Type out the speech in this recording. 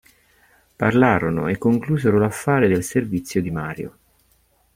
Parlarono e conclusero l'affare del servizio di Mario.